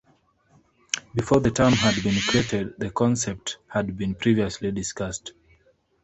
Before the term had been created, the concept had been previously discussed.